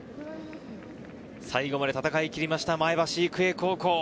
最後まで戦い切りました、前橋育英高校。